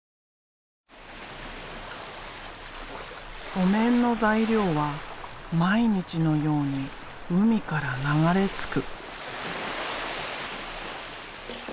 お面の材料は毎日のように海から流れ着く。